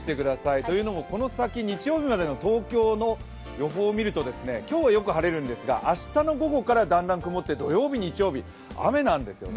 というのもこの先日曜日までの東京の予想を見ると今日はよく晴れるんですが明日の午後からだんだん曇って土曜日、日曜日、雨なんですよね。